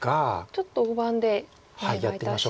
ちょっと大盤でお願いいたします。